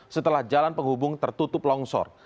setelah jalan penghubung tertutup longsor